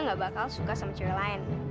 gak bakal suka sama cewek lain